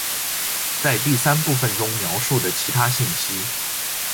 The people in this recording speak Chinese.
·在第三部分中描述的其他信息。